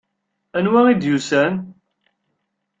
Anwa i d-yusan?